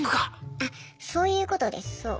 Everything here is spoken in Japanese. あっそういうことですそう。